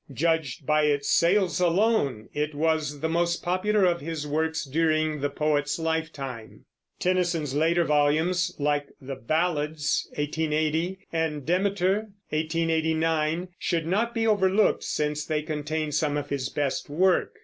Judged by its sales alone, it was the most popular of his works during the poet's lifetime. Tennyson's later volumes, like the Ballads (1880) and Demeter (1889), should not be overlooked, since they contain some of his best work.